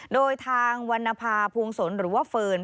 โดยทางวรรณภาพวงศลหรือว่าเฟิร์น